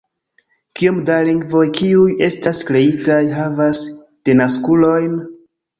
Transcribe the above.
Kiom da lingvoj, kiuj estas kreitaj, havas denaskulojn?